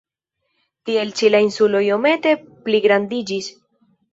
Tiel ĉi la insulo iomete pligrandiĝis.